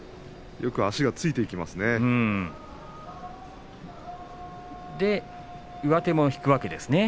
よく足がついていきますね。